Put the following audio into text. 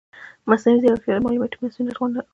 مصنوعي ځیرکتیا د معلوماتي مسؤلیت غوښتنه کوي.